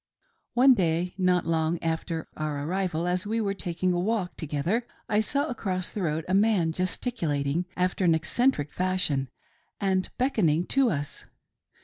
One day, not long after our arrival, as we were taking a walk together, I saw across the road a man gesticulating after an eccentric fashion and beckoning to us.